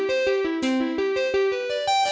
liat gue cabut ya